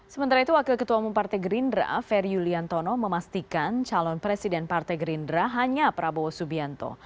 sementara itu wakil ketua umum partai gerindra ferry yuliantono memastikan calon presiden partai gerindra hanya prabowo subianto